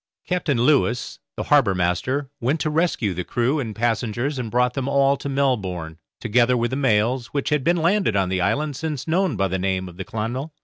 Captain Lewis, the harbour master, went to rescue the crew and passengers and brought them all to Melbourne, together with the mails, which had been landed on the island since known by the name of the 'Clonmel'.